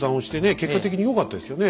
結果的によかったですよね。